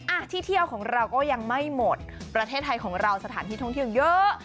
อ่ะที่เที่ยวของเราก็ยังไม่หมดประเทศไทยของเราสถานที่ท่องเที่ยวเยอะ